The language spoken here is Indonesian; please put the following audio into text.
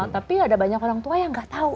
tapi ada banyak orang tua yang gak tau